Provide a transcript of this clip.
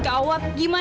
dia pasti menang